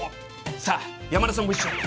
さあ山田さんも一緒に。